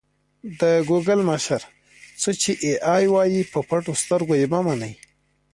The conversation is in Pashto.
د ګوګل مشر: څه چې اې ای وايي په پټو سترګو یې مه منئ.